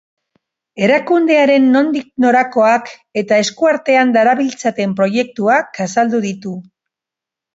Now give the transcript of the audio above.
Erakundearen nondik norakoak eta esku artean darabiltzaten proiektuak azaldu ditu.